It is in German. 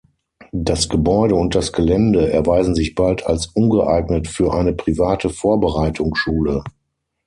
Das Gebäude und das Gelände erweisen sich bald als ungeeignet für eine private Vorbereitungsschule.